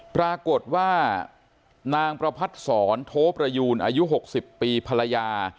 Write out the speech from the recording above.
ปรากฏว่านางประพัดศรโทประยูนอายุ๖๐ปีภรรยา